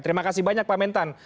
terima kasih banyak pak mentan